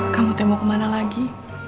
kamu tuh yang mau kemana lagi